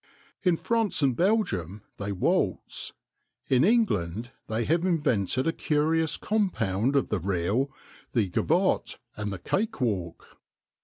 In France and Belgium they waltz ; in England they have invented a curious compound of the reel, the gavotte, and the Cakewalk.